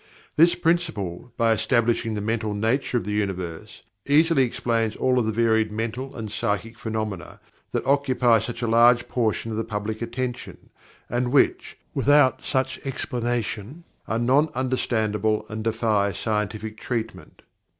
This Principle, by establishing the Mental Nature of the Universe, easily explains all of the varied mental and psychic phenomena that occupy such a large portion of the public attention, and which, without such explanation, are non understandable and defy scientific treatment.